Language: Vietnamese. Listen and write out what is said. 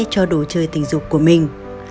cho đồ chơi tình dục của mình